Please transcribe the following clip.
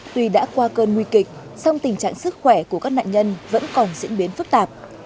tuy đã qua cơn nguy kịch song tình trạng sức khỏe của các nạn nhân vẫn còn diễn biến phức tạp